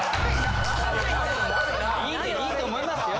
いいと思いますよ。